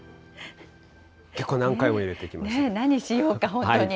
結構、何回も入れてきました。